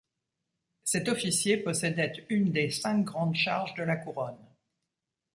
Cet officier possédait une des cinq grandes charges de la couronne.